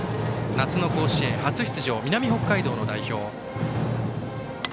夏の甲子園初出場南北海道の代表。